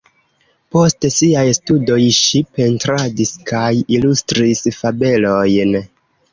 Post siaj studoj ŝi pentradis kaj ilustris fabelojn.